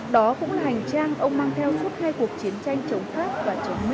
đó cũng là hành trang ông mang theo suốt hai cuộc chiến tranh chống pháp và chống mỹ